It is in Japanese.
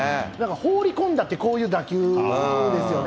放り込んだって、こういう打球ですよね。